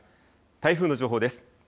台風の情報です。